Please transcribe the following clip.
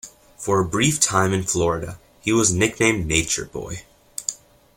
For a brief time in Florida, he was nicknamed Nature Boy.